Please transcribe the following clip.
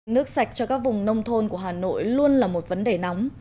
nước sạch cho các vùng nông thôn của hà nội luôn là một vấn đề nóng